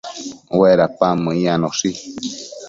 Uedapan meyanoshi